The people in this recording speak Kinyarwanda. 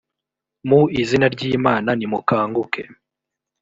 mu izina ry imana nimukanguke